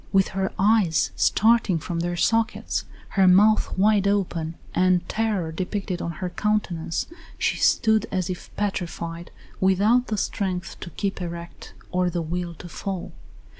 With her eyes starting from their sockets, her mouth wide open, and terror depicted on her countenance, she stood as if petrified, without the strength to keep erect or the will to fall.